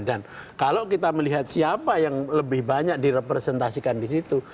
kalau kita melihat siapa yang lebih banyak direpresentasikan di situ